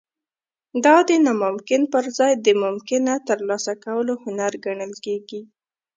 دا د ناممکن پرځای د ممکنه ترلاسه کولو هنر ګڼل کیږي